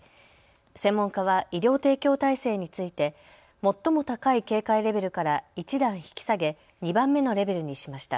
専門家は医療提供体制について最も高い警戒レベルから一段引き下げ、２番目のレベルにしました。